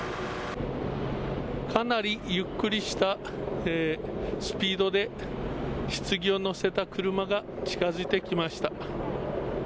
かなりゆっくりしたスピードでひつぎを乗せた車が近付いてきました。